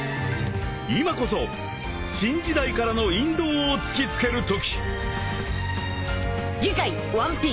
［今こそ新時代からの引導を突き付ける時！］